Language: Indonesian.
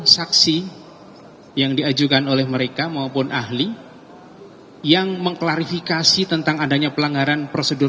saksi yang diajukan oleh mereka maupun ahli yang mengklarifikasi tentang adanya pelanggaran prosedur